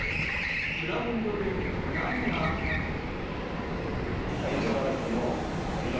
グラウンドで何があったのか。